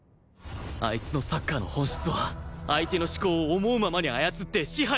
あいつのサッカーの本質は相手の思考を思うままに操って支配するスタイル